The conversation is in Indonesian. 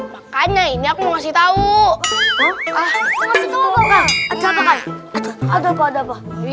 makanya ini aku ngasih tahu